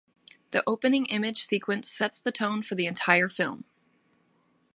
The opening image sequence sets the tone for the entire film.